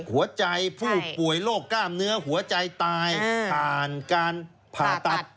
หัวใจผู้ป่วยโรคกล้ามเนื้อหัวใจตายผ่านการผ่าตัด